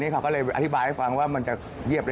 เขาก็ยิงปืนคู่เลย